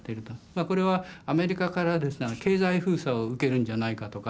これはアメリカから経済封鎖を受けるんじゃないかとか。